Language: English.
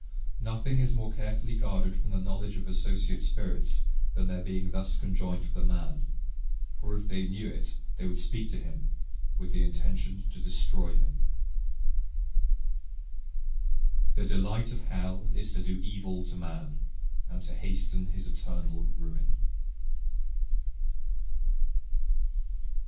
"Nothing is more carefully guarded from the knowledge of associate spirits than their being thus conjoint with a man, for if they knew it they would speak to him, with the intention to destroy him."... "The delight of hell is to do evil to man, and to hasten his eternal ruin."